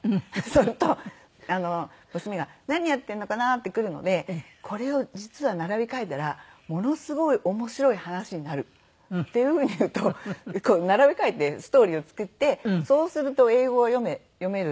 すると娘が何やってるのかな？って来るので「これを実は並び替えたらものすごい面白い話になる」っていう風に言うとこう並べ替えてストーリーを作ってそうすると英語が読めるっていう。